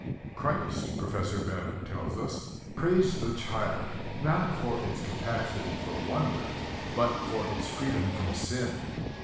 Christ, Professor Babbitt tells us, praised the child not for its capacity for wonder, but for its freedom from sin.